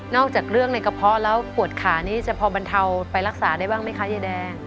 จากเรื่องในกระเพาะแล้วปวดขานี่จะพอบรรเทาไปรักษาได้บ้างไหมคะยายแดง